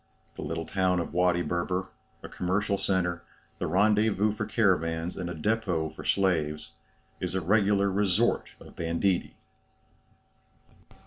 The little town of Wady Berber, a commercial centre, the rendezvous for caravans, and a depôt for slaves, is a regular resort of banditti.